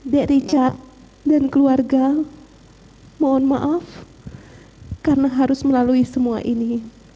dek richard dan keluarga mohon maaf karena harus melalui semua ini